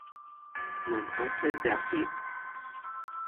نکات دفیق